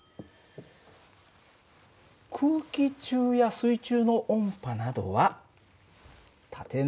空気中や水中の音波などは縦波だ。